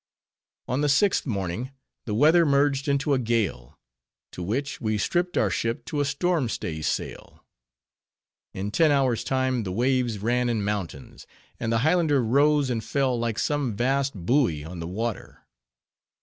On the sixth morning, the weather merged into a gale, to which we stripped our ship to a storm stay sail. In ten hours' time, the waves ran in mountains; and the Highlander rose and fell like some vast buoy on the water.